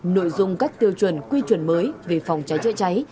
nội dung các tiêu chuẩn quy chuẩn mới về phòng cháy chữa cháy